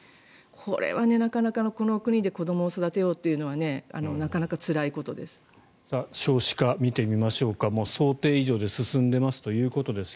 これはこの国で子どもを育てようというのは少子化、見てみましょうか想定以上で進んでいますということです。